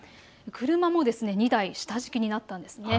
車も２台、下敷きになったんです。